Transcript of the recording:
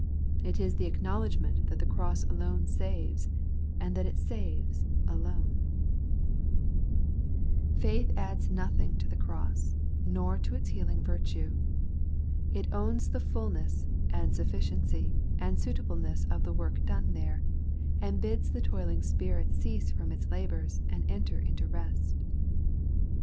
It is the acknowledgment that the cross alone saves, and that it saves alone. 116 The Everlasting Righteousness. Faith adds nothing to the cross, nor to its heal ing virtue. It owns the fulness, and sufficiency, and suitableness of the work done there, and bids the toiling spirit cease from its labours and enter into rest.